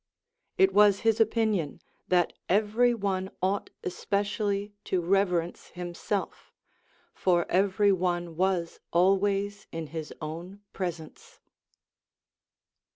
It was his opinion that every one ought especially to rever ence himself; for every one was always in his own pres ence.